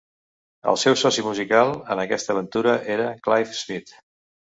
El seu soci musical en aquesta aventura era Clive Smith.